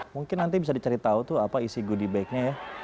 mungkin nanti bisa dicari tahu tuh apa isi goodie bagnya ya